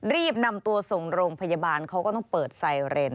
รีบนำตัวส่งโรงพยาบาลเขาก็ต้องเปิดไซเรน